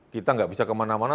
kita nggak bisa kemana mana